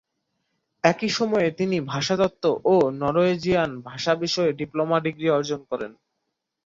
একই সময়ে তিনি ভাষাতত্ত্ব ও নরওয়েজিয়ান ভাষা বিষয়ে ডিপ্লোমা ডিগ্রি অর্জন করেন।